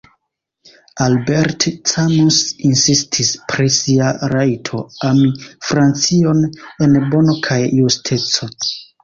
Albert Camus insistis pri sia rajto ami Francion en bono kaj justeco.